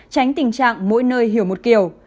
tránh tình trạng mỗi nơi hiểu một kiểu